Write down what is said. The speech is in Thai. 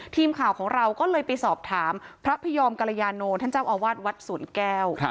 ทีมข่าวของเราก็เลยไปสอบถามพระพยอมกรยาโนท่านเจ้าอาวาสวัดสวนแก้ว